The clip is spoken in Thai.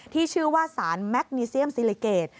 ที่ชื่อว่าสารแมคนิเซียมซีลิเกต